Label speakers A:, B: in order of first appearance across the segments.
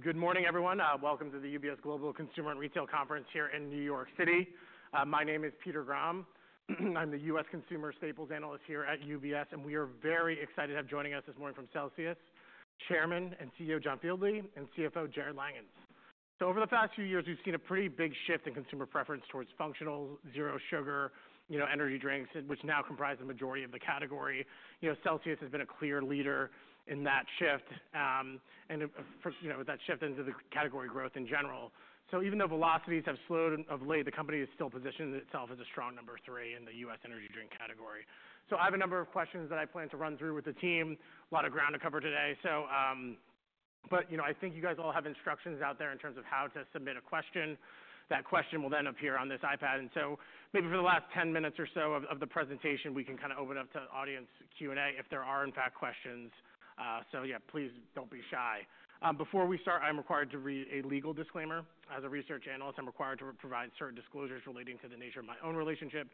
A: Good morning, everyone. Welcome to the UBS Global Consumer and Retail Conference here in New York City. My name is Peter Grom. I'm the U.S. Consumer Staples Analyst here at UBS, and we are very excited to have joining us this morning from Celsius, Chairman and CEO John Fieldly, and CFO Jarrod Langhans. Over the past few years, we've seen a pretty big shift in consumer preference towards functional, zero-sugar, you know, energy drinks, which now comprise the majority of the category. You know, Celsius has been a clear leader in that shift, and, for, you know, that shift into the category growth in general. Even though velocities have slowed of late, the company has still positioned itself as a strong number three in the U.S. energy drink category. I have a number of questions that I plan to run through with the team. A lot of ground to cover today, so, but, you know, I think you guys all have instructions out there in terms of how to submit a question. That question will then appear on this iPad. Maybe for the last 10 minutes or so of the presentation, we can kinda open it up to audience Q&A if there are, in fact, questions. So yeah, please don't be shy. Before we start, I'm required to read a legal disclaimer. As a research analyst, I'm required to provide certain disclosures relating to the nature of my own relationship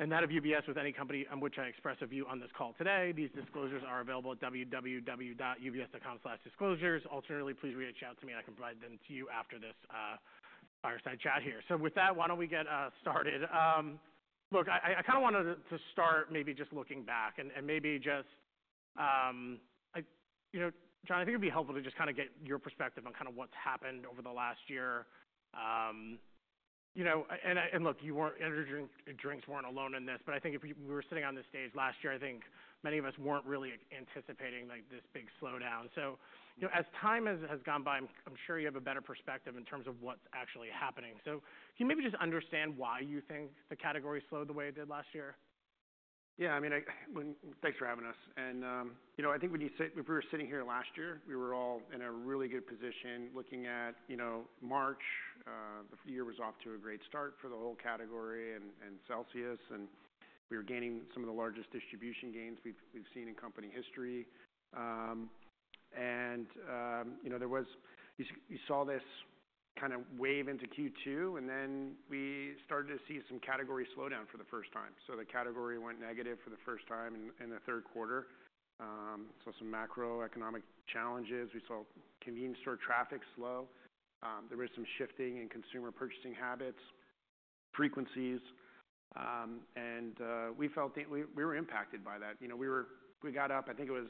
A: and that of UBS with any company on which I express a view on this call today. These disclosures are available at www.ubs.com/disclosures. Alternatively, please reach out to me, and I can provide them to you after this fireside chat here. With that, why don't we get started? Look, I kinda wanted to start maybe just looking back and maybe just, like, you know, John, I think it'd be helpful to just kinda get your perspective on kinda what's happened over the last year. You know, and I think you weren't—energy drinks weren't alone in this, but I think if we were sitting on this stage last year, I think many of us weren't really anticipating, like, this big slowdown. You know, as time has gone by, I'm sure you have a better perspective in terms of what's actually happening. Can you maybe just understand why you think the category slowed the way it did last year?
B: Yeah. I mean, thanks for having us. And, you know, I think when you sit, if we were sitting here last year, we were all in a really good position looking at, you know, March. The year was off to a great start for the whole category and, and Celsius, and we were gaining some of the largest distribution gains we've seen in company history. And, you know, you saw this kind of wave into Q2, and then we started to see some category slowdown for the first time. The category went negative for the first time in the third quarter. Some macroeconomic challenges. We saw convenience store traffic slow. There was some shifting in consumer purchasing habits, frequencies. And we felt that we were impacted by that. You know, we got up I think it was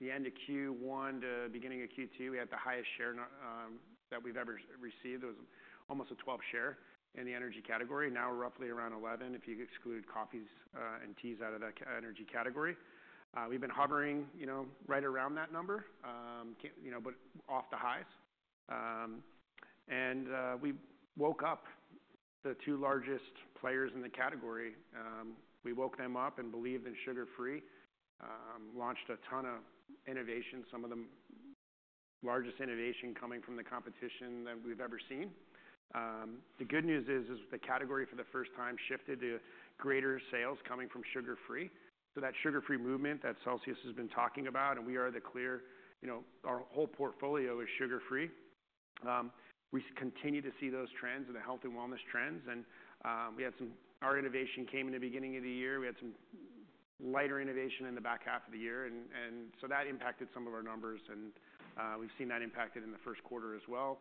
B: the end of Q1 to beginning of Q2, we had the highest share that we've ever received. It was almost a 12-share in the energy category. Now we're roughly around 11 if you exclude coffees and teas out of that energy category. We've been hovering, you know, right around that number, you know, but off the highs. We woke up the two largest players in the category. We woke them up and believed in sugar-free, launched a ton of innovations, some of the largest innovation coming from the competition that we've ever seen. The good news is the category for the first time shifted to greater sales coming from sugar-free. That sugar-free movement that Celsius has been talking about, and we are the clear, you know, our whole portfolio is sugar-free. We continue to see those trends and the health and wellness trends. We had some of our innovation come in the beginning of the year. We had some lighter innovation in the back half of the year, and that impacted some of our numbers. We've seen that impact in the first quarter as well.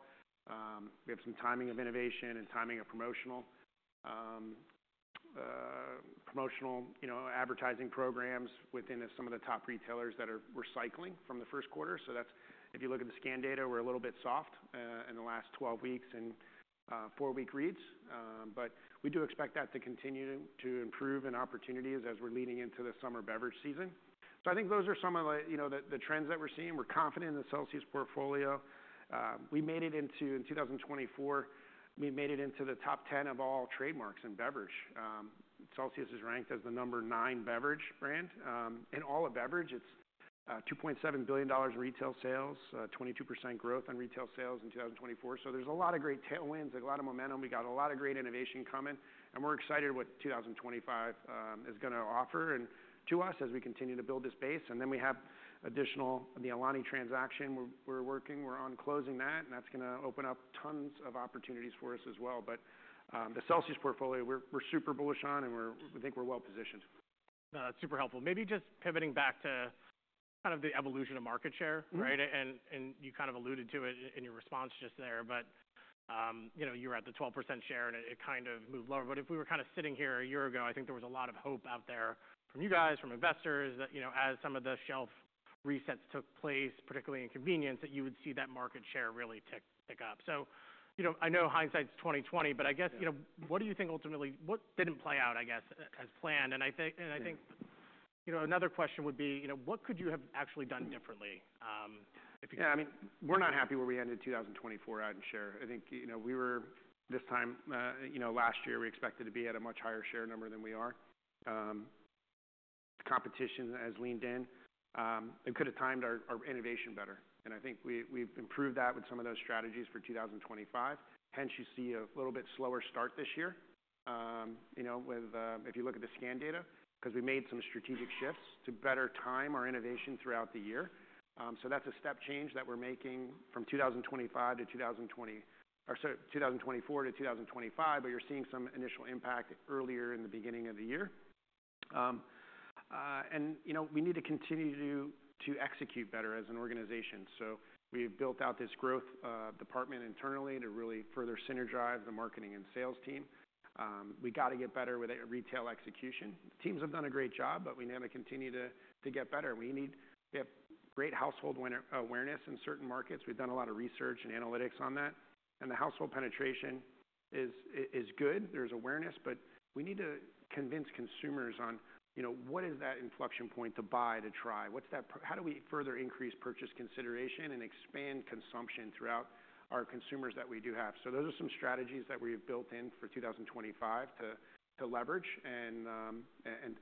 B: We have some timing of innovation and timing of promotional, promotional, you know, advertising programs within some of the top retailers that are recycling from the first quarter. If you look at the scan data, we're a little bit soft in the last 12 weeks and 4-week reads. We do expect that to continue to improve in opportunities as we're leading into the summer beverage season. I think those are some of the trends that we're seeing. We're confident in the Celsius portfolio. We made it into, in 2024, we made it into the top 10 of all trademarks in beverage. Celsius is ranked as the number nine beverage brand in all of beverage. It's $2.7 billion in retail sales, 22% growth in retail sales in 2024. There is a lot of great tailwinds, a lot of momentum. We got a lot of great innovation coming, and we're excited what 2025 is gonna offer to us as we continue to build this base. We have additional, the Alani transaction we're working, we're on closing that, and that's gonna open up tons of opportunities for us as well. The Celsius portfolio, we're super bullish on, and we think we're well-positioned.
A: No, that's super helpful. Maybe just pivoting back to kind of the evolution of market share.
B: Mm-hmm.
A: Right? And you kind of alluded to it in your response just there, but, you know, you were at the 12% share, and it kind of moved lower. If we were kind of sitting here a year ago, I think there was a lot of hope out there from you guys, from investors, that, you know, as some of the shelf resets took place, particularly in convenience, that you would see that market share really tick, tick up. You know, I know hindsight's 20/20, but I guess, you know, what do you think ultimately what didn't play out, I guess, as planned? And I think.
B: Mm-hmm.
A: You know, another question would be, you know, what could you have actually done differently, if you could?
B: Yeah. I mean, we're not happy where we ended 2024 out in share. I think, you know, we were this time, you know, last year, we expected to be at a much higher share number than we are. Competition has leaned in. It could've timed our, our innovation better. And I think we, we've improved that with some of those strategies for 2025. Hence, you see a little bit slower start this year, you know, with, if you look at the scan data, 'cause we made some strategic shifts to better time our innovation throughout the year. So that's a step change that we're making from 2024 to 2025, but you're seeing some initial impact earlier in the beginning of the year. And, you know, we need to continue to, to execute better as an organization. We've built out this growth department internally to really further synergize the marketing and sales team. We gotta get better with retail execution. Teams have done a great job, but we need to continue to get better. We have great household awareness in certain markets. We've done a lot of research and analytics on that. The household penetration is good. There's awareness, but we need to convince consumers on, you know, what is that inflection point to buy, to try? What's that, how do we further increase purchase consideration and expand consumption throughout our consumers that we do have? Those are some strategies that we've built in for 2025 to leverage and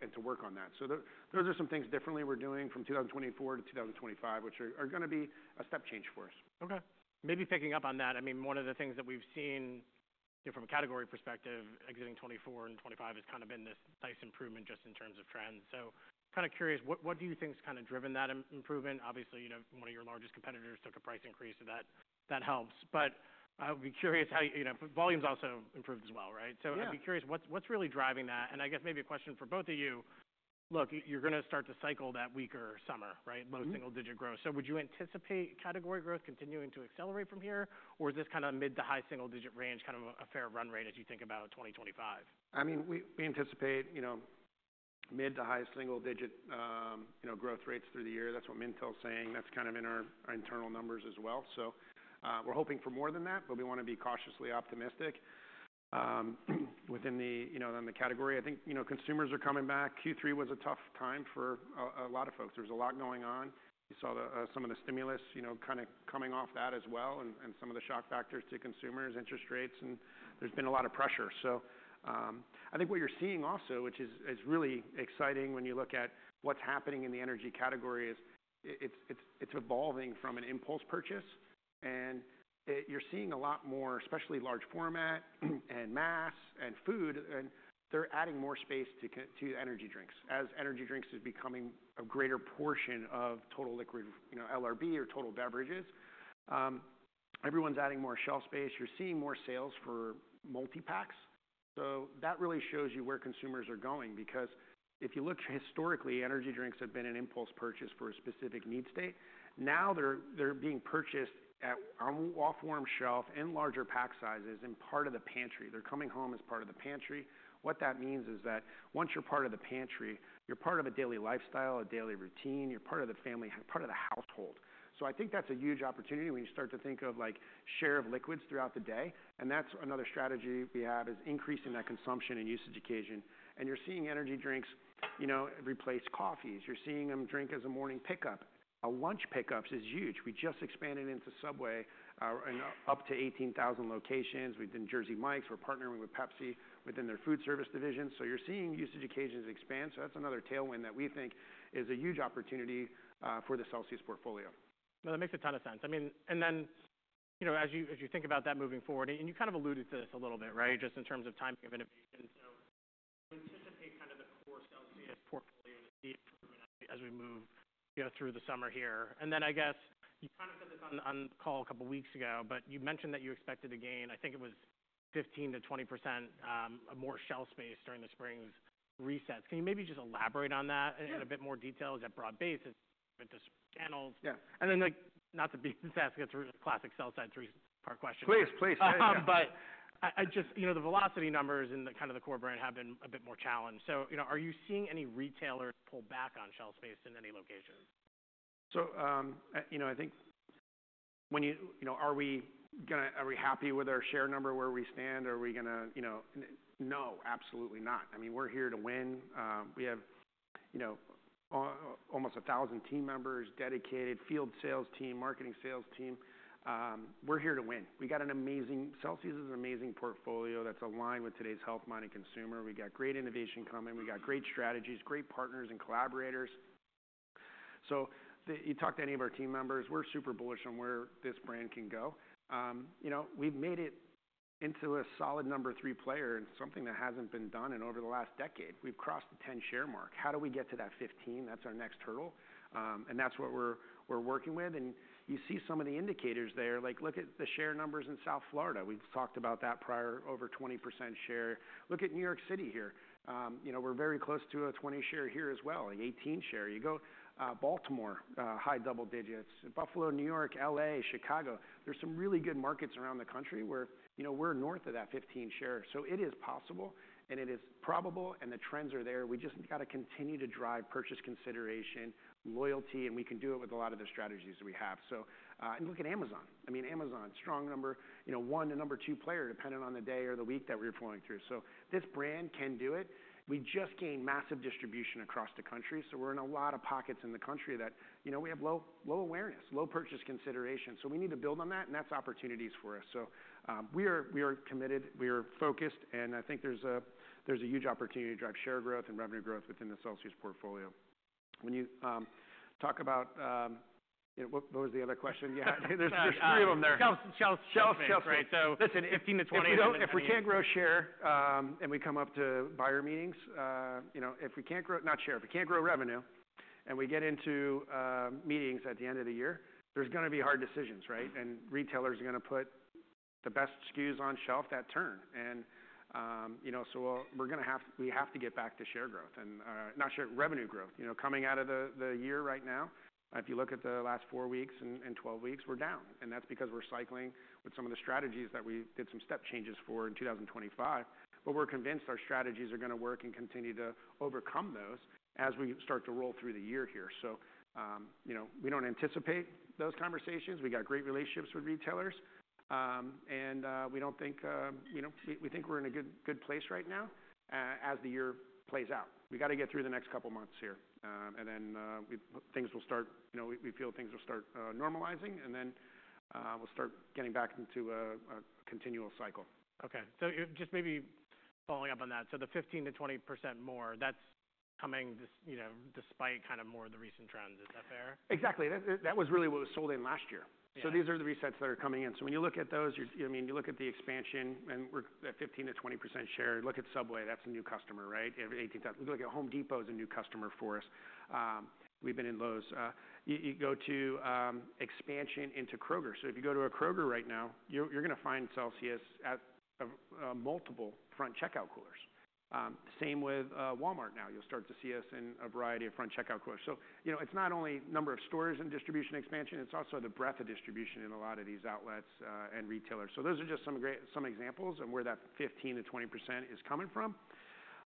B: to work on that. Those are some things differently we're doing from 2024 to 2025, which are gonna be a step change for us.
A: Okay. Maybe picking up on that, I mean, one of the things that we've seen, you know, from a category perspective, exiting 2024 and 2025 has kinda been this nice improvement just in terms of trends. Kinda curious, what do you think's kinda driven that improvement? Obviously, you know, one of your largest competitors took a price increase, so that helps. I would be curious how you know, volume's also improved as well, right?
B: Yeah.
A: I'd be curious, what's really driving that? I guess maybe a question for both of you. Look, you're gonna start to cycle that weaker summer, right?
B: Mm-hmm.
A: Low single-digit growth. Would you anticipate category growth continuing to accelerate from here, or is this kind of mid to high single-digit range kind of a fair run rate as you think about 2025?
B: I mean, we anticipate, you know, mid to high single-digit, you know, growth rates through the year. That's what Mintel's saying. That's kind of in our internal numbers as well. We're hoping for more than that, but we wanna be cautiously optimistic, within the, you know, on the category. I think, you know, consumers are coming back. Q3 was a tough time for a lot of folks. There was a lot going on. You saw some of the stimulus, you know, kinda coming off that as well, and some of the shock factors to consumers, interest rates, and there's been a lot of pressure. I think what you're seeing also, which is really exciting when you look at what's happening in the energy category, is it's evolving from an impulse purchase, and you're seeing a lot more, especially large format and mass and food, and they're adding more space to energy drinks as energy drinks is becoming a greater portion of total liquid, you know, LRB or total beverages. Everyone's adding more shelf space. You're seeing more sales for multi-packs. That really shows you where consumers are going because if you look historically, energy drinks have been an impulse purchase for a specific need state. Now they're being purchased at on off-warm shelf in larger pack sizes in part of the pantry. They're coming home as part of the pantry. What that means is that once you're part of the pantry, you're part of a daily lifestyle, a daily routine. You're part of the family, part of the household. I think that's a huge opportunity when you start to think of, like, share of liquids throughout the day. That's another strategy we have is increasing that consumption and usage occasion. You're seeing energy drinks, you know, replace coffees. You're seeing them drink as a morning pickup. Lunch pickups is huge. We just expanded into Subway, in up to 18,000 locations. We've done Jersey Mike's. We're partnering with Pepsi within their food service division. You're seeing usage occasions expand. That's another tailwind that we think is a huge opportunity for the Celsius portfolio.
A: No, that makes a ton of sense. I mean, and then, you know, as you think about that moving forward, and you kind of alluded to this a little bit, right, just in terms of timing of innovation. So you anticipate kinda the core Celsius portfolio to see improvement as we as we move, you know, through the summer here. And then I guess you kinda said this on, on call a couple weeks ago, but you mentioned that you expected to gain, I think it was 15% to 20% more shelf space during the spring's resets. Can you maybe just elaborate on that in, in a bit more detail? Is that broad-based? Is it just channels?
B: Yeah. Like, not to be sassy, that's a really classic sell-side three-part question.
A: Please, please.
B: I just, you know, the velocity numbers in the kind of the core brand have been a bit more challenged. You know, are you seeing any retailers pull back on shelf space in any locations? You know, I think when you, you know, are we gonna, are we happy with our share number where we stand? Are we gonna, you know, no, absolutely not. I mean, we're here to win. We have almost 1,000 team members, dedicated field sales team, marketing sales team. We're here to win. We got an amazing Celsius is an amazing portfolio that's aligned with today's health, mind, and consumer. We got great innovation coming. We got great strategies, great partners, and collaborators. You talk to any of our team members, we're super bullish on where this brand can go. You know, we've made it into a solid number three player and something that hasn't been done in over the last decade. We've crossed the 10% share mark. How do we get to that 15%? That's our next hurdle. That's what we're working with. You see some of the indicators there. Like, look at the share numbers in South Florida. We've talked about that prior, over 20% share. Look at New York City here. You know, we're very close to a 20% share here as well, 18% share. You go, Baltimore, high double digits. Buffalo, New York, LA, Chicago. There are some really good markets around the country where, you know, we're north of that 15% share. It is possible, and it is probable, and the trends are there. We just gotta continue to drive purchase consideration, loyalty, and we can do it with a lot of the strategies that we have. Look at Amazon. I mean, Amazon, strong number, you know, one to number two player depending on the day or the week that we're flowing through. This brand can do it. We just gained massive distribution across the country. We're in a lot of pockets in the country that, you know, we have low, low awareness, low purchase consideration. We need to build on that, and that's opportunities for us. We are committed. We are focused. I think there's a huge opportunity to drive share growth and revenue growth within the Celsius portfolio. When you talk about, you know, what was the other question you had? There's three of them there.
A: Shelf.
B: Shelf, shelf, shelf.
A: Right? Listen, 15 to 20.
B: If we don't, if we can't grow share, and we come up to buyer meetings, you know, if we can't grow, not share, if we can't grow revenue, and we get into meetings at the end of the year, there's gonna be hard decisions, right? Retailers are gonna put the best SKUs on shelf that turn. You know, we're gonna have, we have to get back to share growth and not share, revenue growth, you know, coming out of the year right now. If you look at the last 4 weeks and 12 weeks, we're down. That's because we're cycling with some of the strategies that we did, some step changes for in 2025. We're convinced our strategies are gonna work and continue to overcome those as we start to roll through the year here. You know, we don't anticipate those conversations. We got great relationships with retailers, and we don't think, you know, we think we're in a good, good place right now, as the year plays out. We gotta get through the next couple months here, and then we feel things will start normalizing, and then we'll start getting back into a continual cycle.
A: Okay. Just maybe following up on that, the 15% to 20% more, that's coming this, you know, despite kind of more of the recent trends. Is that fair?
B: Exactly. That was really what was sold in last year.
A: Yeah.
B: These are the resets that are coming in. When you look at those, I mean, you look at the expansion, and we're at 15% to 20% share. Look at Subway. That's a new customer, right? Every 18,000. Look at Home Depot, that's a new customer for us. We've been in Lowe's. You go to expansion into Kroger. If you go to a Kroger right now, you're gonna find Celsius at multiple front checkout coolers. Same with Walmart now. You'll start to see us in a variety of front checkout coolers. You know, it's not only number of stores and distribution expansion. It's also the breadth of distribution in a lot of these outlets and retailers. Those are just some great examples of where that 15% to 20% is coming from.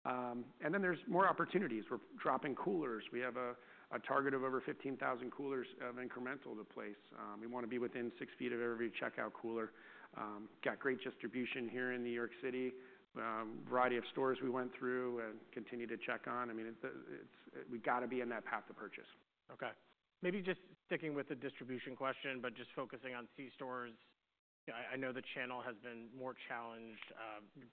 B: Then there's more opportunities. We're dropping coolers. We have a target of over 15,000 coolers of incremental to place. We wanna be within 6 feet of every checkout cooler. Got great distribution here in New York City. Variety of stores we went through and continue to check on. I mean, it's we gotta be in that path of purchase.
A: Okay. Maybe just sticking with the distribution question, but just focusing on C-stores. I know the channel has been more challenged,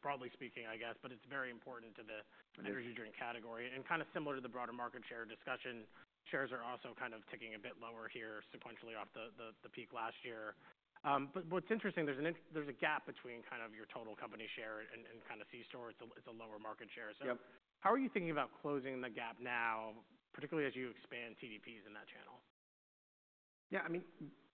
A: broadly speaking, I guess, but it's very important to the energy drink category. It is kinda similar to the broader market share discussion, shares are also kind of ticking a bit lower here sequentially off the peak last year. What's interesting, there's a gap between kind of your total company share and kinda C store. It's a lower market share.
B: Yep.
A: How are you thinking about closing the gap now, particularly as you expand TDPs in that channel?
B: Yeah. I mean,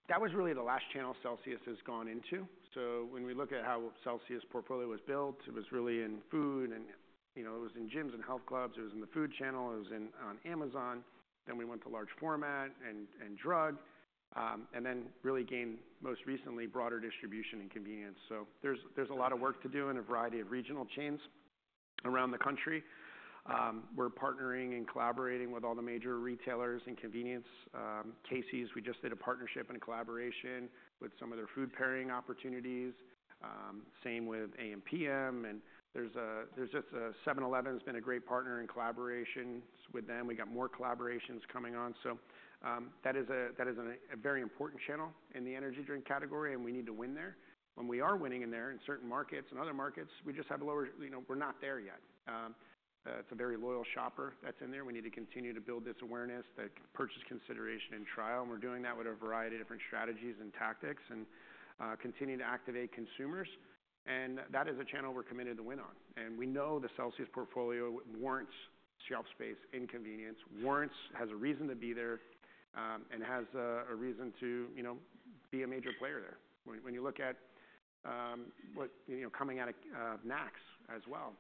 B: that was really the last channel Celsius has gone into. When we look at how Celsius portfolio was built, it was really in food and, you know, it was in gyms and health clubs. It was in the food channel. It was in on Amazon. Then we went to large format and drug, and then really gained most recently broader distribution in convenience. There's a lot of work to do in a variety of regional chains around the country. We're partnering and collaborating with all the major retailers in convenience. Casey's, we just did a partnership and collaboration with some of their food pairing opportunities. Same with ampm. There's just a 7-Eleven's been a great partner in collaborations with them. We got more collaborations coming on. That is a very important channel in the energy drink category, and we need to win there. We are winning in there in certain markets and other markets, we just have lower, you know, we're not there yet. It's a very loyal shopper that's in there. We need to continue to build this awareness, that purchase consideration and trial. We're doing that with a variety of different strategies and tactics and continue to activate consumers. That is a channel we're committed to win on. We know the Celsius portfolio warrants shelf space in convenience, warrants, has a reason to be there, and has a reason to, you know, be a major player there. When you look at, you know, coming out of NACS as well,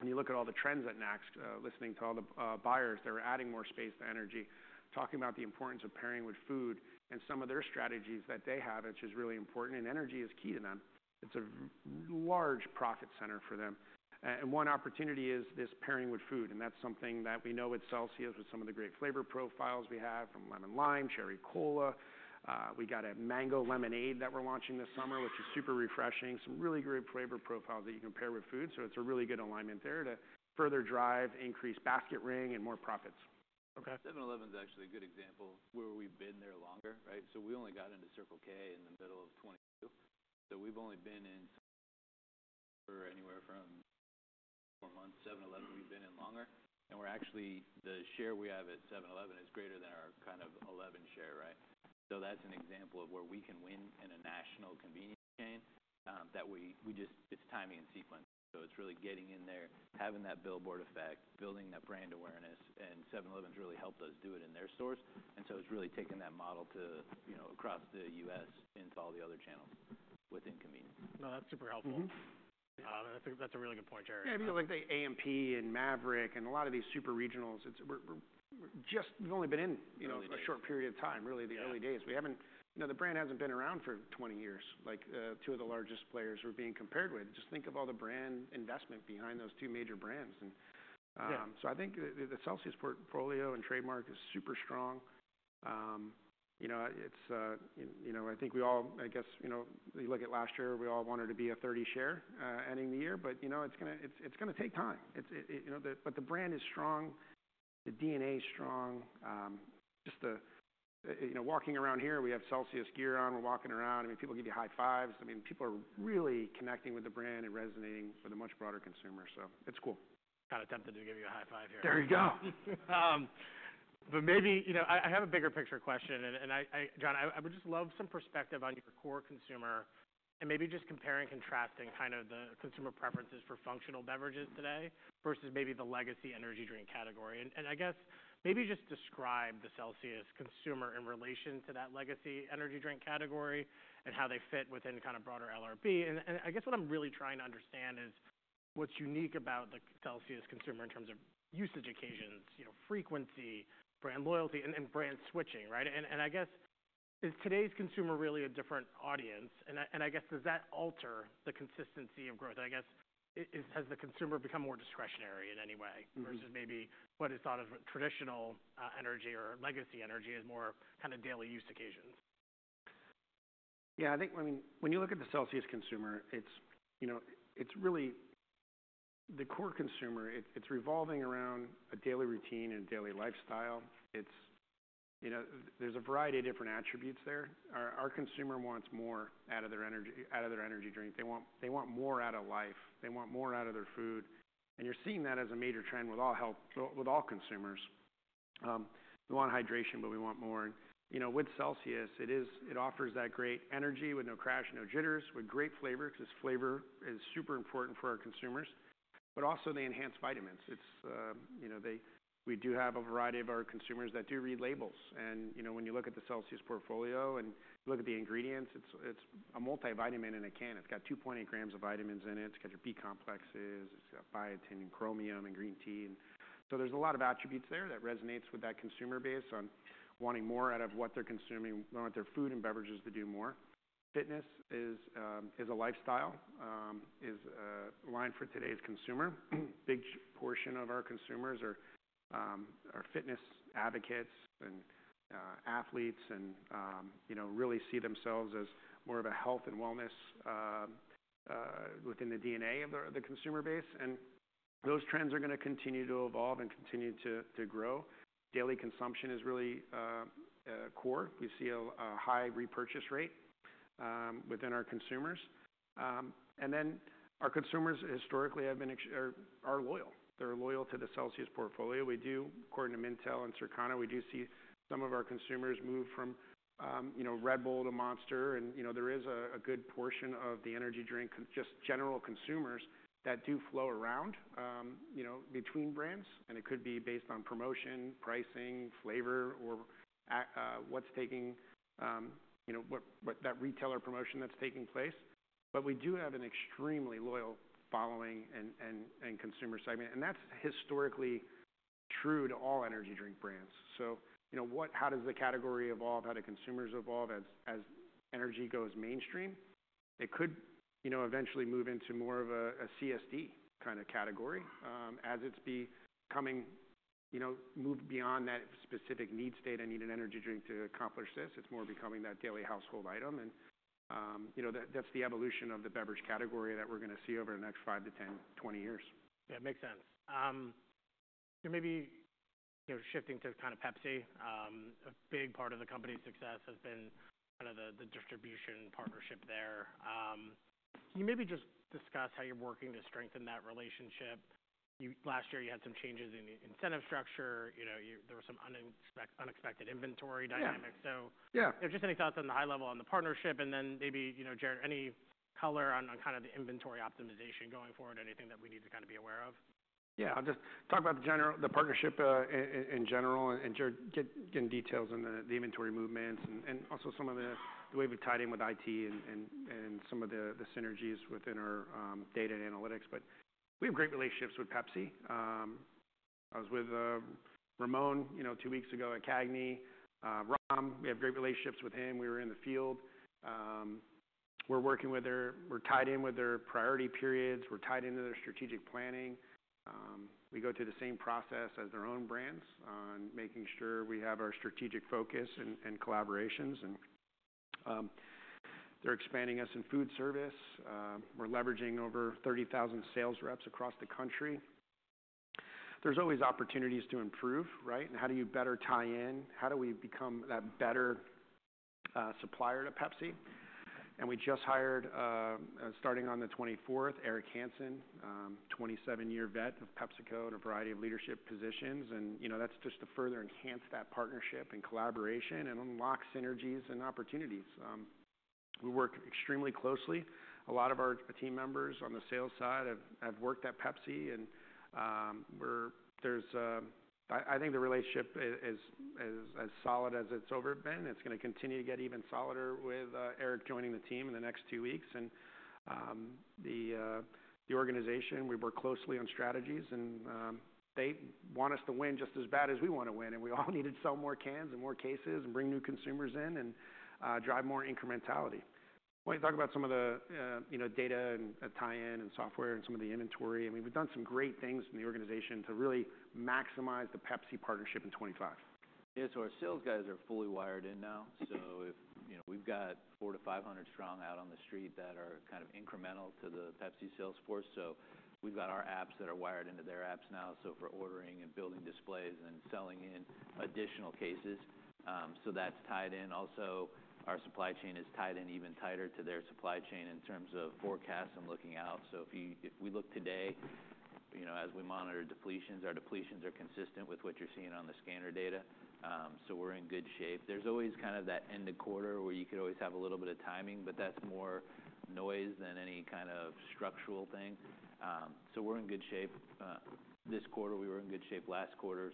B: and you look at all the trends at NACS, listening to all the buyers that are adding more space to energy, talking about the importance of pairing with food and some of their strategies that they have, which is really important. Energy is key to them. It's a large profit center for them. One opportunity is this pairing with food. That's something that we know with Celsius, with some of the great flavor profiles we have from lemon lime, cherry cola. We got a Mango Lemonade that we're launching this summer, which is super refreshing, some really great flavor profiles that you can pair with food. It's a really good alignment there to further drive increased basket ring and more profits.
A: Okay.
C: 7-Eleven's actually a good example. Where we've been there longer, right? We only got into Circle K in the middle of 2022. We've only been in for anywhere from four months. 7-Eleven, we've been in longer. We're actually the share we have at 7-Eleven is greater than our kind of 11 share, right? That's an example of where we can win in a national convenience chain, that we, we just it's timing and sequencing. It's really getting in there, having that billboard effect, building that brand awareness. 7-Eleven's really helped us do it in their stores. It's really taking that model to, you know, across the U.S. into all the other channels within convenience.
A: No, that's super helpful.
B: Mm-hmm.
A: and I think that's a really good point, Jarrod.
B: Yeah. I mean, like the ampm and Maverik and a lot of these super regionals, we're just, we've only been in, you know, a short period of time, really, the early days. We haven't, you know, the brand hasn't been around for 20 years. Like, two of the largest players we're being compared with. Just think of all the brand investment behind those two major brands.
C: Yeah.
B: I think the Celsius portfolio and trademark is super strong. You know, it's, you know, I think we all, I guess, you know, you look at last year, we all wanted to be a 30-share, ending the year. You know, it's gonna take time. It's, you know, the brand is strong. The DNA's strong. Just the, you know, walking around here, we have Celsius gear on. We're walking around. I mean, people give you high fives. I mean, people are really connecting with the brand and resonating with a much broader consumer. So it's cool.
A: Kinda tempted to give you a high five here.
B: There you go.
A: Maybe, you know, I have a bigger picture question. I would just love some perspective on your core consumer and maybe just comparing and contrasting kind of the consumer preferences for functional beverages today versus maybe the legacy energy drink category. I guess maybe just describe the Celsius consumer in relation to that legacy energy drink category and how they fit within kinda broader LRB. I guess what I'm really trying to understand is what's unique about the Celsius consumer in terms of usage occasions, you know, frequency, brand loyalty, and brand switching, right? I guess, is today's consumer really a different audience? I guess, does that alter the consistency of growth? I guess, has the consumer become more discretionary in any way versus maybe what is thought of traditional energy or legacy energy as more kinda daily use occasions?
B: Yeah. I think, I mean, when you look at the Celsius consumer, it's, you know, it's really the core consumer, it's, it's revolving around a daily routine and daily lifestyle. It's, you know, there's a variety of different attributes there. Our consumer wants more out of their energy, out of their energy drink. They want, they want more out of life. They want more out of their food. You're seeing that as a major trend with all health, with all consumers. We want hydration, but we want more. You know, with Celsius, it is, it offers that great energy with no crash, no jitters, with great flavor 'cause flavor is super important for our consumers. Also, the enhanced vitamins. It's, you know, we do have a variety of our consumers that do read labels. You know, when you look at the Celsius portfolio and look at the ingredients, it's a multivitamin in a can. It's got 2.8 grams of vitamins in it. It's got your B complexes. It's got biotin and chromium and green tea. There are a lot of attributes there that resonate with that consumer base on wanting more out of what they're consuming, want their food and beverages to do more. Fitness is a lifestyle, is aligned for today's consumer. A big portion of our consumers are fitness advocates and athletes and really see themselves as more of a health and wellness, within the DNA of the consumer base. Those trends are going to continue to evolve and continue to grow. Daily consumption is really core. We see a high repurchase rate within our consumers. And then our consumers historically have been, are loyal. They're loyal to the Celsius portfolio. We do, according to Mintel and Circana, we do see some of our consumers move from, you know, Red Bull to Monster. You know, there is a good portion of the energy drink, just general consumers, that do flow around, you know, between brands. It could be based on promotion, pricing, flavor, or what's taking, you know, what that retailer promotion that's taking place. We do have an extremely loyal following and consumer segment. That's historically true to all energy drink brands. You know, how does the category evolve? How do consumers evolve as energy goes mainstream? It could, you know, eventually move into more of a CSD kinda category, as it's becoming, you know, moved beyond that specific needs state, "I need an energy drink to accomplish this." It's more becoming that daily household item. You know, that's the evolution of the beverage category that we're gonna see over the next 5 to 10, 20 years.
A: Yeah. Makes sense. You know, maybe, you know, shifting to kinda Pepsi, a big part of the company's success has been kinda the, the distribution partnership there. Can you maybe just discuss how you're working to strengthen that relationship? You last year, you had some changes in the incentive structure. You know, you there were some unexpected inventory dynamics.
B: Yeah.
A: So.
B: Yeah.
A: You know, just any thoughts on the high level on the partnership? And then maybe, you know, Jarrod, any color on, on kinda the inventory optimization going forward? Anything that we need to kinda be aware of?
B: Yeah. I'll just talk about the partnership in general. And Jarrod, get in details on the inventory movements and also some of the way we've tied in with IT and some of the synergies within our data and analytics. But we have great relationships with Pepsi. I was with Ramon, you know, two weeks ago at CAGNY. Ram, we have great relationships with him. We were in the field. We're working with their, we're tied in with their priority periods. We're tied into their strategic planning. We go through the same process as their own brands on making sure we have our strategic focus and collaborations. They're expanding us in food service. We're leveraging over 30,000 sales reps across the country. There's always opportunities to improve, right? And how do you better tie in? How do we become that better supplier to Pepsi? We just hired, starting on the 24th, Eric Hanson, 27-year vet of PepsiCo in a variety of leadership positions. You know, that's just to further enhance that partnership and collaboration and unlock synergies and opportunities. We work extremely closely. A lot of our team members on the sales side have worked at Pepsi. I think the relationship is as solid as it's ever been. It's gonna continue to get even solider with Eric joining the team in the next two weeks. The organization, we work closely on strategies. They want us to win just as bad as we wanna win. We all need to sell more cans and more cases and bring new consumers in and drive more incrementality. Wanna talk about some of the, you know, data and, tie-in and software and some of the inventory. I mean, we've done some great things in the organization to really maximize the PepsiCo partnership in 2025.
C: Yeah. So our sales guys are fully wired in now. So if, you know, we've got 400 to 500 strong out on the street that are kind of incremental to the Pepsi sales force. So we've got our apps that are wired into their apps now. So for ordering and building displays and selling in additional cases, that's tied in. Also, our supply chain is tied in even tighter to their supply chain in terms of forecasts and looking out. So if you if we look today, you know, as we monitor depletions, our depletions are consistent with what you're seeing on the scanner data. So we're in good shape. There's always kind of that end of quarter where you could always have a little bit of timing, but that's more noise than any kind of structural thing. So we're in good shape. This quarter, we were in good shape last quarter.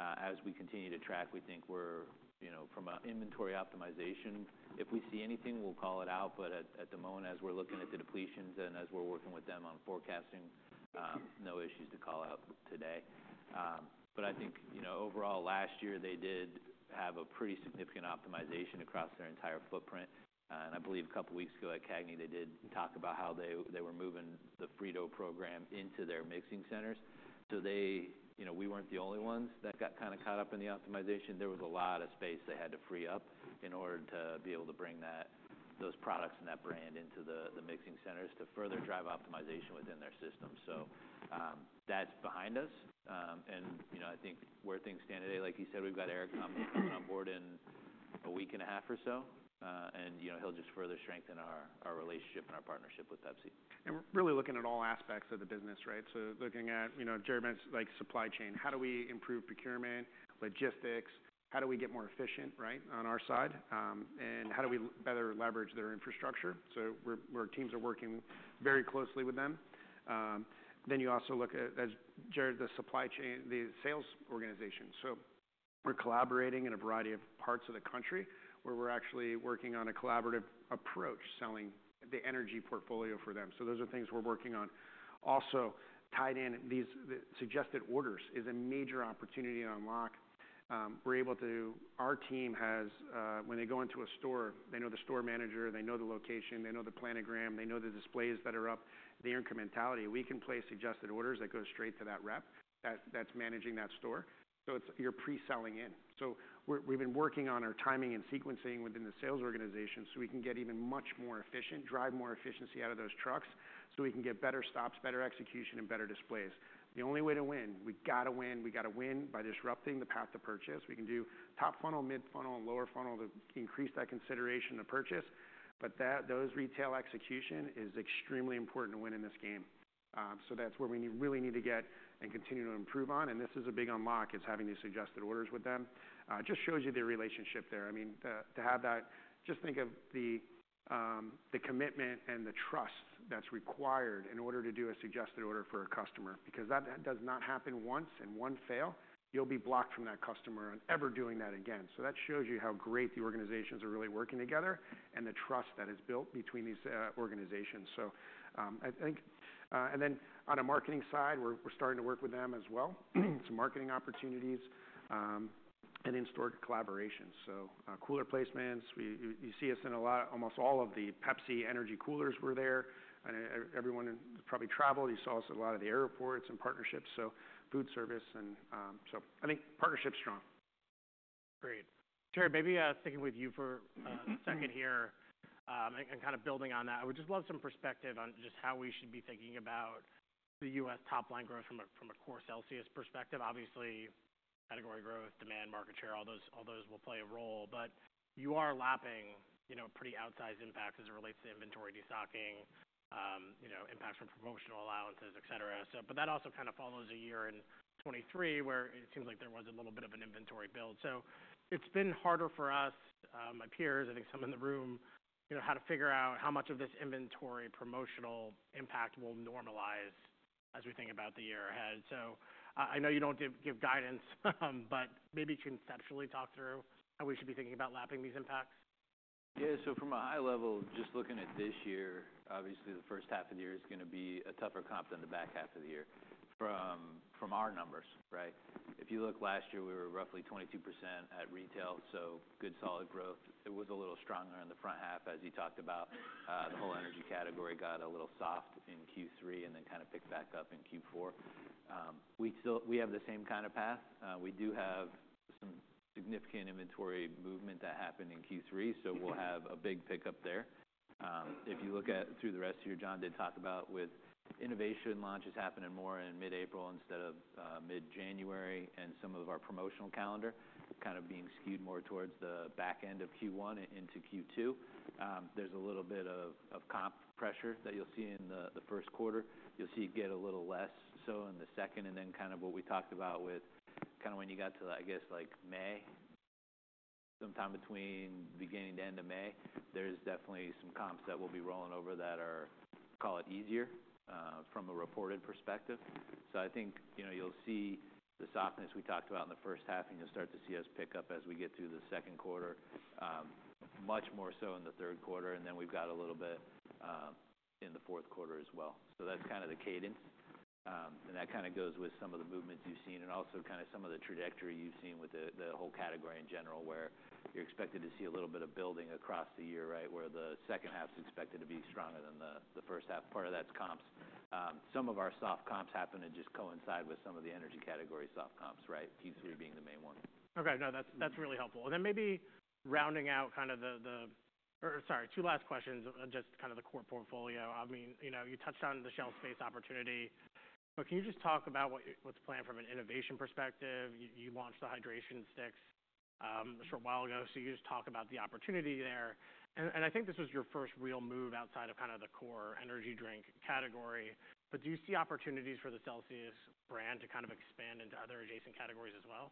C: As we continue to track, we think we're, you know, from an inventory optimization, if we see anything, we'll call it out. At the moment, as we're looking at the depletions and as we're working with them on forecasting, no issues to call out today. I think, you know, overall, last year, they did have a pretty significant optimization across their entire footprint. I believe a couple weeks ago at CAGNY, they did talk about how they were moving the Frito program into their mixing centers. They, you know, we weren't the only ones that got kinda caught up in the optimization. There was a lot of space they had to free up in order to be able to bring those products and that brand into the mixing centers to further drive optimization within their system. That is behind us, and, you know, I think where things stand today, like you said, we've got Eric coming on board in a week and a half or so, and, you know, he'll just further strengthen our relationship and our partnership with Pepsi.
B: We're really looking at all aspects of the business, right? Looking at, you know, Jarrod mentioned, like, supply chain. How do we improve procurement, logistics? How do we get more efficient, right, on our side? How do we better leverage their infrastructure? We're, teams are working very closely with them. You also look at, as Jarrod, the supply chain, the sales organization. We're collaborating in a variety of parts of the country where we're actually working on a collaborative approach, selling the energy portfolio for them. Those are things we're working on. Also, tied in these suggested orders is a major opportunity to unlock. We're able to, our team has, when they go into a store, they know the store manager. They know the location. They know the planogram. They know the displays that are up, the incrementality. We can place suggested orders that go straight to that rep that's managing that store. So you're pre-selling in. We've been working on our timing and sequencing within the sales organization so we can get even much more efficient, drive more efficiency out of those trucks so we can get better stops, better execution, and better displays. The only way to win, we gotta win. We gotta win by disrupting the path to purchase. We can do top funnel, mid-funnel, and lower funnel to increase that consideration to purchase. But those retail execution is extremely important to win in this game. That's where we really need to get and continue to improve on. This is a big unlock, having these suggested orders with them. Just shows you the relationship there. I mean, to have that, just think of the commitment and the trust that's required in order to do a suggested order for a customer because that does not happen once and one fail, you'll be blocked from that customer and ever doing that again. That shows you how great the organizations are really working together and the trust that is built between these organizations. I think, and then on a marketing side, we're starting to work with them as well. Some marketing opportunities and in-store collaboration, cooler placements. You see us in a lot, almost all of the Pepsi energy coolers, we're there. Everyone probably traveled, you saw us at a lot of the airports and partnerships, food service, and I think partnership's strong.
A: Great. Jarrod, maybe, sticking with you for a second here, and kinda building on that, I would just love some perspective on just how we should be thinking about the U.S. top line growth from a core Celsius perspective. Obviously, category growth, demand, market share, all those will play a role. You are lapping, you know, a pretty outsized impact as it relates to inventory desocking, impacts from promotional allowances, etc. That also kinda follows a year in 2023 where it seems like there was a little bit of an inventory build. It's been harder for us, my peers, I think some in the room, you know, how to figure out how much of this inventory promotional impact will normalize as we think about the year ahead. I know you don't give guidance, but maybe conceptually talk through how we should be thinking about lapping these impacts.
C: Yeah. So from a high level, just looking at this year, obviously, the first half of the year is gonna be a tougher comp than the back half of the year from our numbers, right? If you look last year, we were roughly 22% at retail. So good solid growth. It was a little stronger in the front half, as you talked about. The whole energy category got a little soft in Q3 and then kinda picked back up in Q4. We still have the same kinda path. We do have some significant inventory movement that happened in Q3. So we'll have a big pickup there. If you look at through the rest of the year, John did talk about with innovation launches happening more in mid-April instead of mid-January and some of our promotional calendar kinda being skewed more towards the back end of Q1 and into Q2. There's a little bit of comp pressure that you'll see in the first quarter. You'll see it get a little less so in the second. And then kind of what we talked about with kinda when you got to, I guess, like May, sometime between beginning to end of May, there's definitely some comps that we'll be rolling over that are, call it easier, from a reported perspective. I think, you know, you'll see the softness we talked about in the first half, and you'll start to see us pick up as we get through the second quarter, much more so in the third quarter. We've got a little bit in the fourth quarter as well. That's kinda the cadence. That kinda goes with some of the movements you've seen and also kinda some of the trajectory you've seen with the whole category in general where you're expected to see a little bit of building across the year, right, where the second half's expected to be stronger than the first half. Part of that's comps. Some of our soft comps happen to just coincide with some of the energy category soft comps, right? Q3 being the main one.
A: Okay. No, that's really helpful. Maybe rounding out kind of the, or sorry, two last questions, just kind of the core portfolio. I mean, you know, you touched on the shelf space opportunity. Can you just talk about what you, what's planned from an innovation perspective? You launched the hydration sticks a short while ago. Can you just talk about the opportunity there? I think this was your first real move outside of kind of the core energy drink category. Do you see opportunities for the Celsius brand to kind of expand into other adjacent categories as well?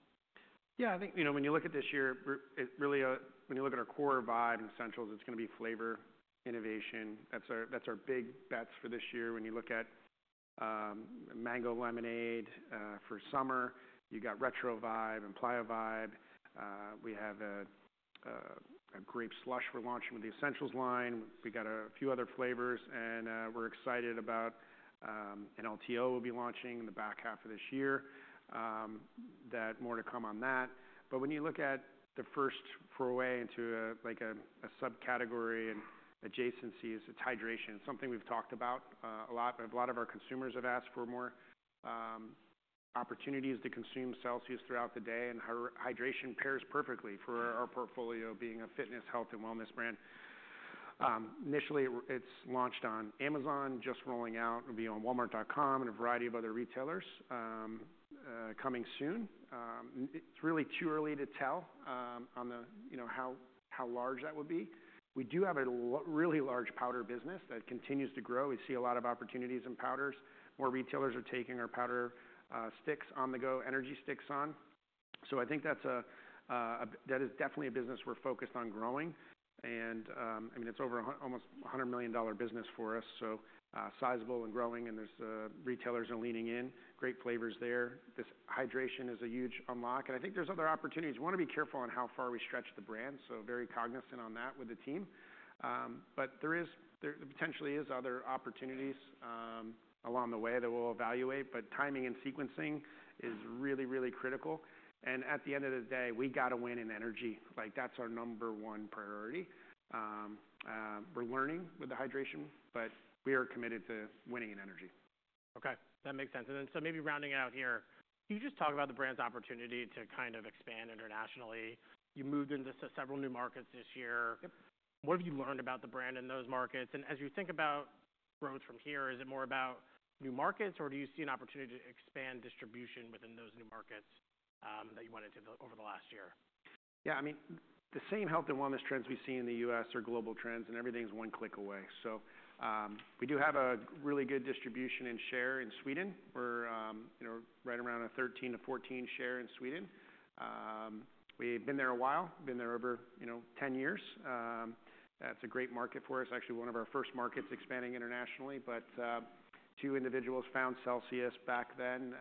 B: Yeah. I think, you know, when you look at this year, we're it really, when you look at our core Vibe and Essentials, it's gonna be flavor, innovation. That's our that's our big bets for this year. When you look at, Mango Lemonade, for summer, you got Retro Vibe and Playa Vibe. We have a, a Grape Slush we're launching with the Essentials line. We got a few other flavors. We're excited about, an LTO we'll be launching in the back half of this year. More to come on that. When you look at the first foray into, like a, a subcategory and adjacencies, it's hydration. It's something we've talked about, a lot. A lot of our consumers have asked for more, opportunities to consume Celsius throughout the day. Hydration pairs perfectly for our portfolio being a fitness, health, and wellness brand. Initially, it's launched on Amazon, just rolling out. It'll be on walmart.com and a variety of other retailers, coming soon. It's really too early to tell, on the, you know, how, how large that would be. We do have a really large powder business that continues to grow. We see a lot of opportunities in powders. More retailers are taking our powder, sticks on-the-go, energy sticks on. I think that's a, that is definitely a business we're focused on growing. I mean, it's over a h almost $100 million business for us. Sizable and growing. Retailers are leaning in. Great flavors there. This hydration is a huge unlock. I think there's other opportunities. We wanna be careful on how far we stretch the brand. Very cognizant on that with the team. There potentially is other opportunities along the way that we'll evaluate. Timing and sequencing is really, really critical. At the end of the day, we gotta win in energy. Like, that's our number one priority. We're learning with the hydration, but we are committed to winning in energy.
A: Okay. That makes sense. Maybe rounding out here, can you just talk about the brand's opportunity to kind of expand internationally? You moved into several new markets this year.
B: Yep.
A: What have you learned about the brand in those markets? As you think about growth from here, is it more about new markets, or do you see an opportunity to expand distribution within those new markets that you wanted to over the last year?
B: Yeah. I mean, the same health and wellness trends we see in the U.S. are global trends, and everything's one click away. We do have a really good distribution and share in Sweden. We're, you know, right around a 13 to 14% share in Sweden. We've been there a while. Been there over, you know, 10 years. That's a great market for us. Actually, one of our first markets expanding internationally. Two individuals found Celsius back then,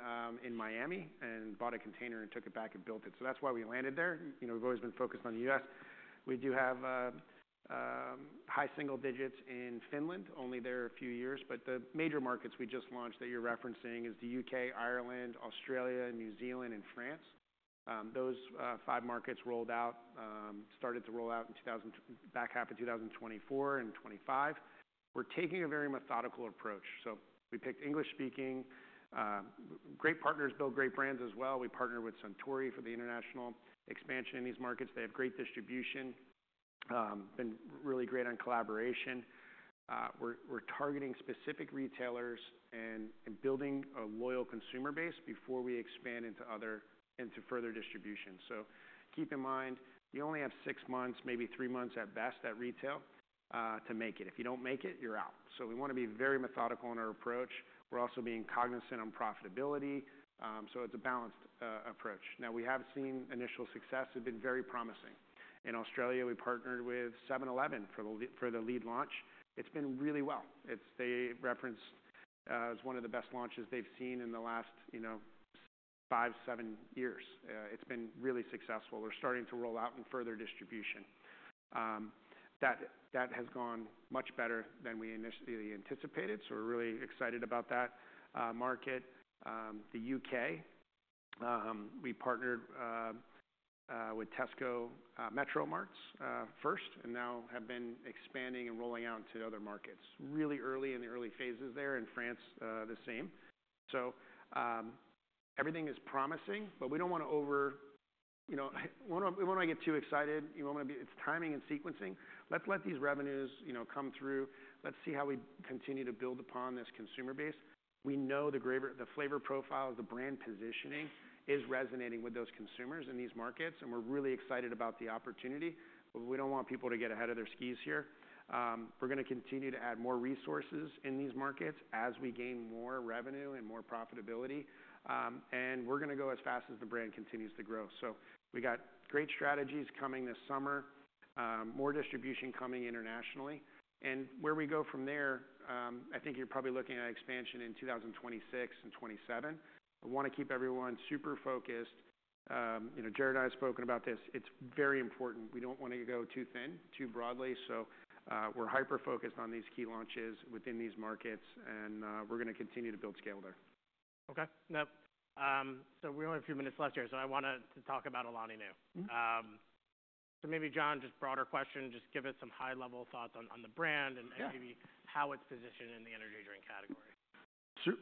B: in Miami and bought a container and took it back and built it. That's why we landed there. You know, we've always been focused on the U.S. We do have high single digits in Finland, only there a few years. The major markets we just launched that you're referencing are the U.K., Ireland, Australia, New Zealand, and France. Those five markets rolled out, started to roll out in 2020, back half of 2024 and 2025. We're taking a very methodical approach. We picked English-speaking, great partners, build great brands as well. We partner with Suntory for the international expansion in these markets. They have great distribution, been really great on collaboration. We're targeting specific retailers and building a loyal consumer base before we expand into further distribution. Keep in mind, you only have six months, maybe three months at best at retail, to make it. If you don't make it, you're out. We want to be very methodical in our approach. We're also being cognizant on profitability, so it's a balanced approach. Now, we have seen initial success. It's been very promising. In Australia, we partnered with 7-Eleven for the lead launch. It's been really well. They referenced it as one of the best launches they've seen in the last, you know, five, seven years. It's been really successful. We're starting to roll out in further distribution. That has gone much better than we initially anticipated. We're really excited about that market. The U.K., we partnered with Tesco, Metro Mart first and now have been expanding and rolling out to other markets. Really early in the early phases there. In France, the same. Everything is promising, but we don't wanna over, you know, we don't wanna get too excited. You wanna be, it's timing and sequencing. Let's let these revenues, you know, come through. Let's see how we continue to build upon this consumer base. We know the flavor profiles, the brand positioning is resonating with those consumers in these markets. We're really excited about the opportunity. We do not want people to get ahead of their skis here. We are going to continue to add more resources in these markets as we gain more revenue and more profitability. We are going to go as fast as the brand continues to grow. We have great strategies coming this summer, more distribution coming internationally. Where we go from there, I think you are probably looking at expansion in 2026 and 2027. We want to keep everyone super focused. You know, Jarrod and I have spoken about this. It is very important. We do not want to go too thin, too broadly. We are hyper-focused on these key launches within these markets. We are going to continue to build scale there.
A: Okay. Now, we only have a few minutes left here. I wanna talk about Alani Nu.
B: Mm-hmm.
A: Maybe, John, just broader question, just give us some high-level thoughts on the brand and maybe.
B: Yeah.
A: How it's positioned in the energy drink category?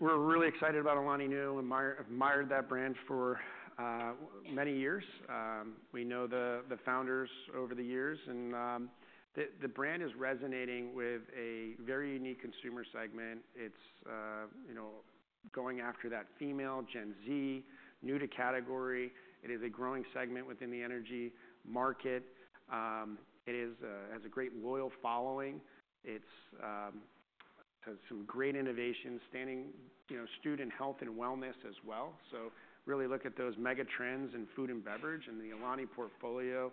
B: We're really excited about Alani Nu. Admired that brand for many years. We know the founders over the years. The brand is resonating with a very unique consumer segment. It's, you know, going after that female Gen Z, new to category. It is a growing segment within the energy market. It has a great loyal following. It has some great innovations, standing, you know, student health and wellness as well. Really look at those mega trends in food and beverage. The Alani portfolio's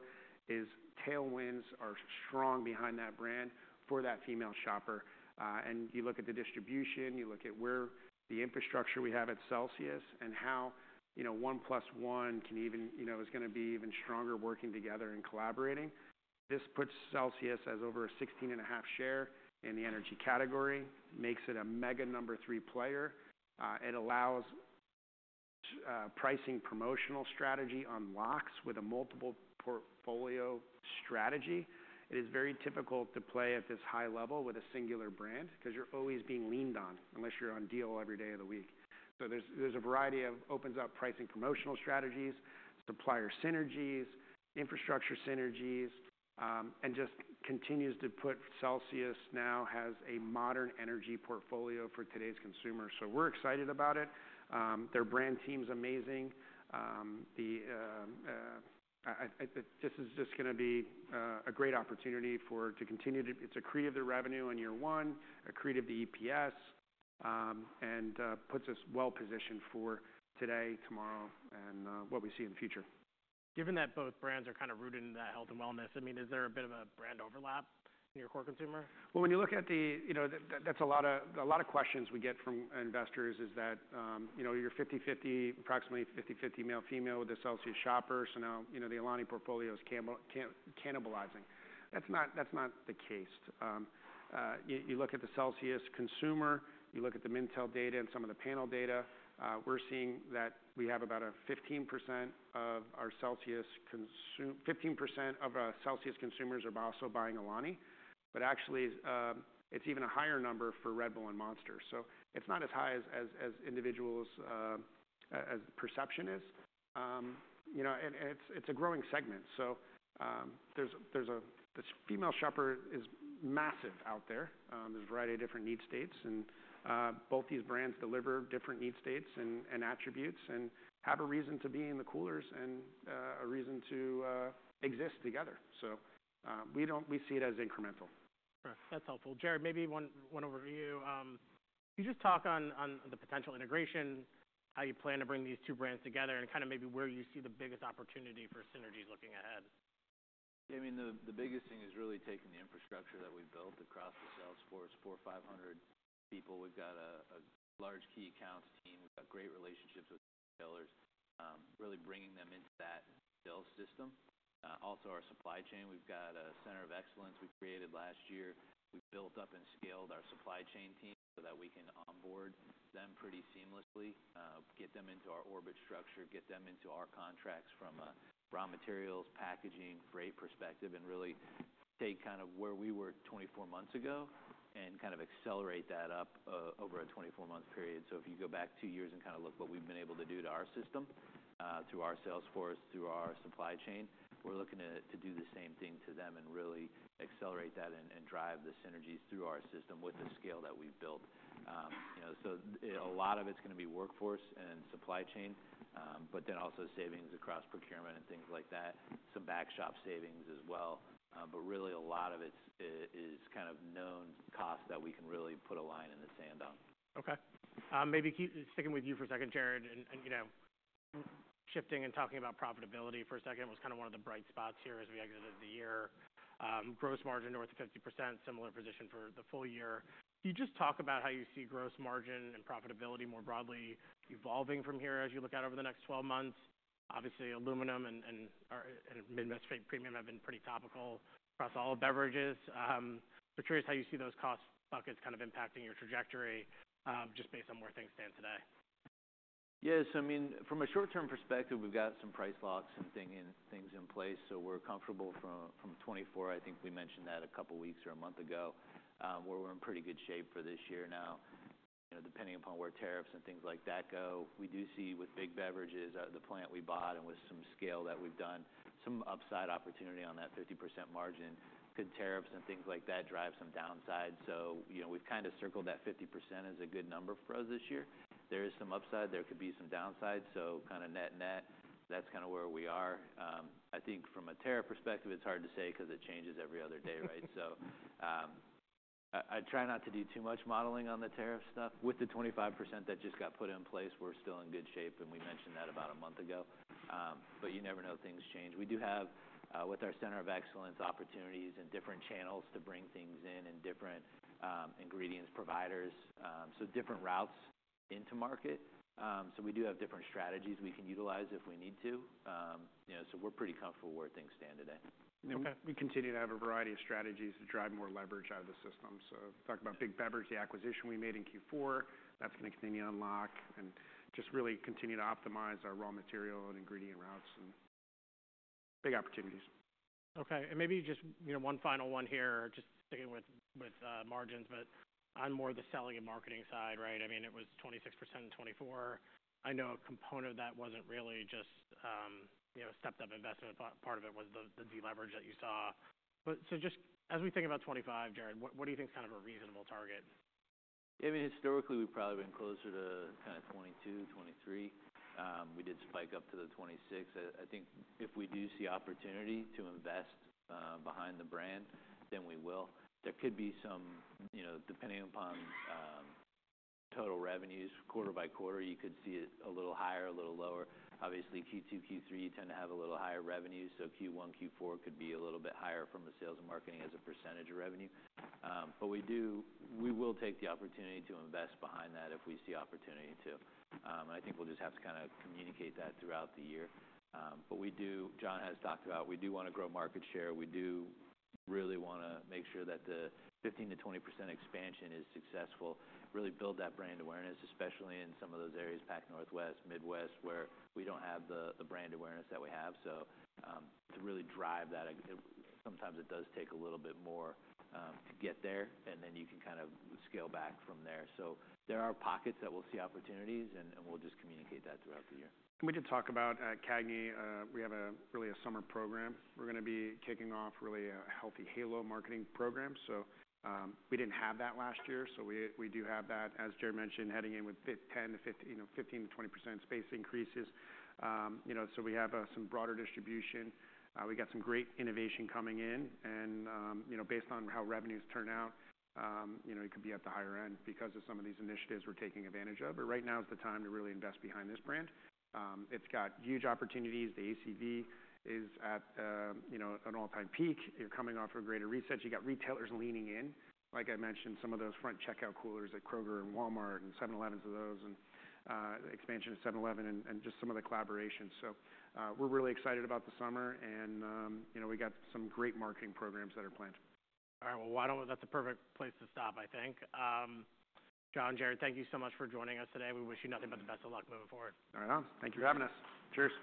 B: tailwinds are strong behind that brand for that female shopper. You look at the distribution, you look at where the infrastructure we have at Celsius and how, you know, one plus one can even, you know, is gonna be even stronger working together and collaborating. This puts Celsius as over a 16 and a half share in the energy category, makes it a mega number three player. It allows pricing promotional strategy on locks with a multiple portfolio strategy. It is very typical to play at this high level with a singular brand 'cause you're always being leaned on unless you're on deal every day of the week. There's a variety of opens up pricing promotional strategies, supplier synergies, infrastructure synergies, and just continues to put Celsius now has a modern energy portfolio for today's consumer. We're excited about it. Their brand team's amazing. This is just gonna be a great opportunity to continue to, it's accretive to revenue in year one, accretive to EPS, and puts us well-positioned for today, tomorrow, and what we see in the future.
A: Given that both brands are kinda rooted in that health and wellness, I mean, is there a bit of a brand overlap in your core consumer?
B: When you look at the, you know, that's a lot of questions we get from investors is that, you know, you're 50/50, approximately 50/50 male-female with the Celsius shopper. Now, you know, the Alani Nu portfolio is cannibalizing. That's not the case. You look at the Celsius consumer, you look at the Mintel data and some of the panel data, we're seeing that we have about 15% of our Celsius consumers are also buying Alani Nu. Actually, it's even a higher number for Red Bull and Monster. It's not as high as individuals' perception is. You know, it's a growing segment. There's this female shopper is massive out there. There's a variety of different need states. Both these brands deliver different need states and attributes and have a reason to be in the coolers and a reason to exist together. We see it as incremental.
A: Okay. That's helpful. Jarrod, maybe one overview. Can you just talk on the potential integration, how you plan to bring these two brands together and kind of maybe where you see the biggest opportunity for synergies looking ahead?
C: Yeah. I mean, the biggest thing is really taking the infrastructure that we've built across the sales force, 4,500 people. We've got a large key accounts team. We've got great relationships with sellers, really bringing them into that sales system. Also our supply chain, we've got a Center of Excellence we created last year. We built up and scaled our supply chain team so that we can onboard them pretty seamlessly, get them into our orbit structure, get them into our contracts from a raw materials packaging rate perspective, and really take kind of where we were 24 months ago and kind of accelerate that up, over a 24-month period. If you go back two years and kinda look what we've been able to do to our system, through our sales force, through our supply chain, we're looking to do the same thing to them and really accelerate that and drive the synergies through our system with the scale that we've built. You know, a lot of it's gonna be workforce and supply chain, but then also savings across procurement and things like that, some back shop savings as well. Really, a lot of it is kind of known cost that we can really put a line in the sand on.
A: Okay. Maybe keep sticking with you for a second, Jarrod, and, you know, shifting and talking about profitability for a second was kind of one of the bright spots here as we exited the year. Gross margin north of 50%, similar position for the full year. Can you just talk about how you see gross margin and profitability more broadly evolving from here as you look out over the next 12 months? Obviously, aluminum and Midwest Premium have been pretty topical across all beverages. Curious how you see those cost buckets kind of impacting your trajectory, just based on where things stand today.
C: Yeah. I mean, from a short-term perspective, we've got some price locks and things in place. So we're comfortable from 2024. I think we mentioned that a couple weeks or a month ago, where we're in pretty good shape for this year now. You know, depending upon where tariffs and things like that go, we do see with Big Beverage, the plant we bought and with some scale that we've done, some upside opportunity on that 50% margin. Could tariffs and things like that drive some downside? You know, we've kinda circled that 50% as a good number for us this year. There is some upside. There could be some downside. Kinda net-net, that's kinda where we are. I think from a tariff perspective, it's hard to say 'cause it changes every other day, right? I try not to do too much modeling on the tariff stuff. With the 25% that just got put in place, we're still in good shape. And we mentioned that about a month ago. You never know. Things change. We do have, with our Center of Excellence opportunities and different channels to bring things in and different ingredients providers, so different routes into market. We do have different strategies we can utilize if we need to. You know, we're pretty comfortable where things stand today.
A: Okay.
B: We continue to have a variety of strategies to drive more leverage out of the system. Talk about Big Beverage, the acquisition we made in Q4. That's gonna continue to unlock and just really continue to optimize our raw material and ingredient routes and big opportunities.
A: Okay. And maybe just, you know, one final one here, just sticking with, with, margins, but on more of the selling and marketing side, right? I mean, it was 26% in 2024. I know a component of that wasn't really just, you know, a stepped-up investment. Part of it was the, the deleverage that you saw. But just as we think about 2025, Jarrod, what, what do you think's kind of a reasonable target?
C: Yeah. I mean, historically, we've probably been closer to kinda 2022 to 2023. We did spike up to the 2026. I think if we do see opportunity to invest behind the brand, then we will. There could be some, you know, depending upon total revenues, quarter by quarter, you could see it a little higher, a little lower. Obviously, Q2, Q3 tend to have a little higher revenue. Q1, Q4 could be a little bit higher from the sales and marketing as a percentage of revenue. We will take the opportunity to invest behind that if we see opportunity to. I think we'll just have to kinda communicate that throughout the year. We do, John has talked about, we do wanna grow market share. We do really wanna make sure that the 15% to 20% expansion is successful, really build that brand awareness, especially in some of those areas, Pacific Northwest, Midwest, where we don't have the brand awareness that we have. To really drive that, sometimes it does take a little bit more to get there. You can kind of scale back from there. There are pockets that we'll see opportunities, and we'll just communicate that throughout the year.
B: We did talk about, CAGNY We have a really a summer program. We're gonna be kicking off really a healthy halo marketing program. We didn't have that last year. We do have that, as Jarrod mentioned, heading in with 10 to 15, you know, 15 to 20% space increases. You know, we have some broader distribution. We got some great innovation coming in. You know, based on how revenues turn out, it could be at the higher end because of some of these initiatives we're taking advantage of. Right now is the time to really invest behind this brand. It's got huge opportunities. The ACV is at, you know, an all-time peak. You're coming off of a greater reset. You got retailers leaning in. Like I mentioned, some of those front checkout coolers at Kroger and Walmart and 7-Eleven and, expansion to 7-Eleven and just some of the collaborations. We're really excited about the summer. You know, we got some great marketing programs that are planned.
A: All right. That is a perfect place to stop, I think. John, Jarrod, thank you so much for joining us today. We wish you nothing but the best of luck moving forward.
B: All right. I'll thank you for having us. Cheers.